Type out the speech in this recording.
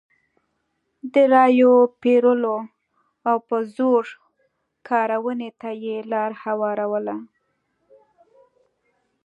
د رایو پېرلو او په زور کارونې ته یې لار هواروله.